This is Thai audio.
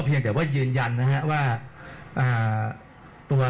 เผื่อว่ายืนยันนะครับเลยว่า